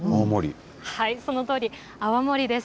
そのとおり、泡盛です。